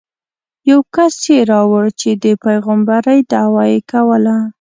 یو کس یې راوړ چې د پېغمبرۍ دعوه یې کوله.